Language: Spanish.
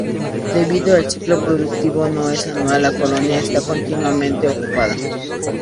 Debido al ciclo reproductivo no es anual, la colonia está continuamente ocupada.